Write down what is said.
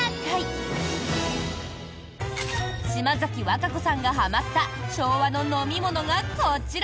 島崎和歌子さんがはまった昭和の飲み物がこちら！